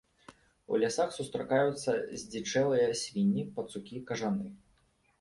У лясах сустракаюцца здзічэлыя свінні, пацукі, кажаны.